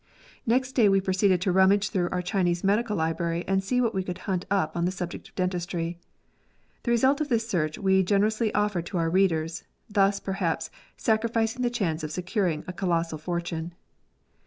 Next day we proceeded to rummage through our Chinese medical library and see what we could hunt up on the subject of dentistry. The result of this search we generously offer to our readers, thus, perhaps, sacrificing the chance of securing a colossal fortune.